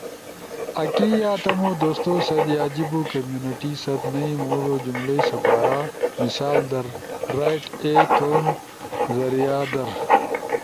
آکی یا تمو دوستو ست یا جیبو کمیونٹی ست نئی موڙو جملئی سپارا۔ مثال در ‘رائٹ اے تھون ذریعہ در’